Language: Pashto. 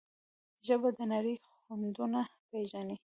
ژبه د نړۍ خوندونه پېژني.